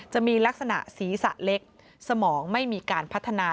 จะมีลักษณะศีรษะเล็กสมองไม่มีการพัฒนา